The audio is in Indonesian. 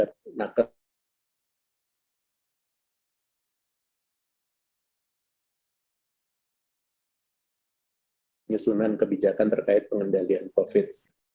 dan juga untuk perlindungan penyusunan kebijakan terkait pengendalian covid sembilan belas